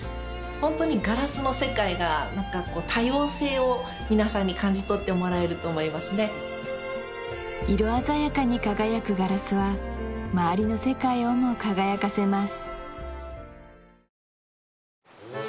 ホントにガラスの世界が何かこう多様性を皆さんに感じ取ってもらえると思いますね色鮮やかに輝くガラスは周りの世界をも輝かせます